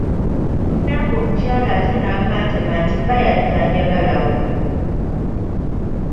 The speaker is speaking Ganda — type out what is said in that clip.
Munnange omukyala ate n'akantema nti bba yali tanjagalawo.